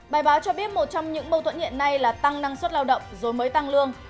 bài báo cho biết một trong những mâu thuẫn hiện nay là tăng năng suất lao động rồi mới tăng lương